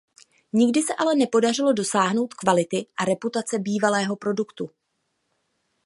Nikdy se ale nepodařilo dosáhnout kvality a reputace bývalého produktu.